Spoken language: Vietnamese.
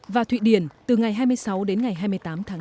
và thụy điển từ ngày hai mươi sáu đến ngày hai mươi tám tháng năm